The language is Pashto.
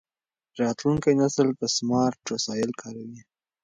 راتلونکی نسل به سمارټ وسایل کاروي.